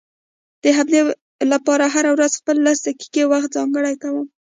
د همدې لپاره هره ورځ خپل لس دقيقې وخت ځانګړی کوم.